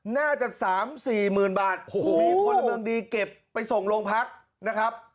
น่าจะสามสี่หมื่นบาทโอ้โหพลเมืองดีเก็บไปส่งโรงพักนะครับ